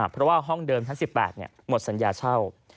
เพราะว่าห้องเดิมชั้น๑๘หมดสัญญาเช่า